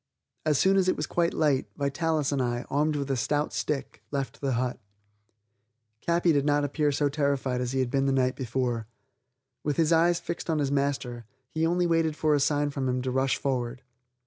As soon as it was quite light, Vitalis and I, armed with a stout stick, left the hut. Capi did not appear so terrified as he had been the night before. With his eyes fixed on his master, he only waited for a sign from him to rush forward.